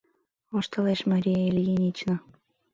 — воштылеш Мария Ильинична.